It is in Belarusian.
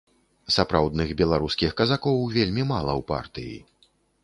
Сапраўдных беларускіх казакоў вельмі мала ў партыі.